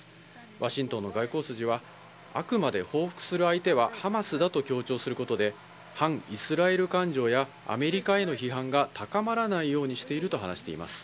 ワシントンの外交筋は、あくまで報復する相手はハマスだと強調することで、反イスラエル感情や、アメリカへの批判が高まらないようにしていると話しています。